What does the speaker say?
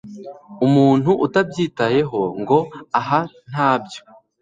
Umuntu utabyitaho ngo aha nta byo